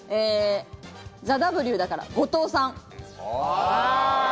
『ＴＨＥＷ』だから、後藤さん。